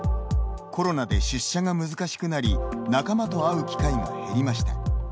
コロナで出社が難しくなり仲間と会う機会が減りました。